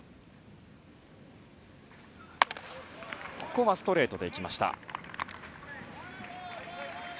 ここはストレートでいきました。